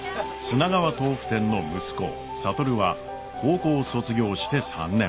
砂川とうふ店の息子智は高校を卒業して３年。